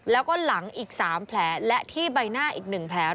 แล้วก็หลังอีก๓แผลและที่ใบหน้าอีก๑แผล